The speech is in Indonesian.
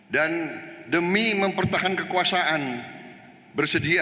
dan demi mempertahankan kekuasaan bersedia